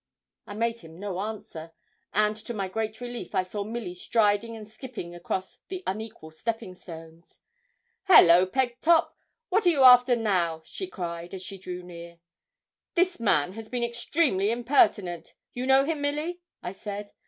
I made him no answer, and to my great relief I saw Milly striding and skipping across the unequal stepping stones. 'Hallo, Pegtop! what are you after now?' she cried, as she drew near. 'This man has been extremely impertinent. You know him, Milly?' I said.